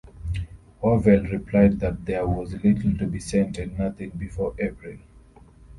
Wavell replied that there was little to be sent and nothing before April.